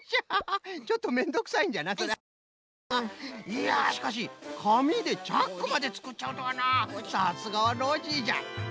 いやしかしかみでチャックまでつくっちゃうとはなさすがはノージーじゃ！